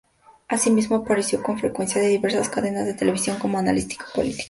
Asimismo apareció con frecuencia en diversas cadenas de televisión como analista político.